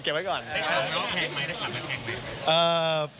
ได้ขอบคุณครับว่าแพงไหมได้ขอบคุณครับว่าแพงไหม